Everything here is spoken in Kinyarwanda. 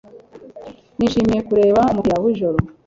Nishimiye kureba umupira w'ijoro